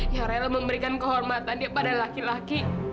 yang rela memberikan kehormatannya pada laki laki